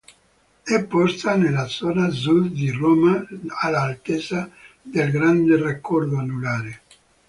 È posta nella zona sud di Roma all'altezza del Grande Raccordo Anulare.